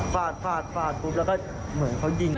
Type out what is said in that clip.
ฝาดฝาดฝาดแล้วก็เหมือนเขายิง